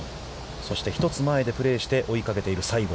そして、１つ前でプレーをして追いかけている西郷。